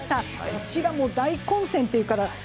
こちらも大混戦というか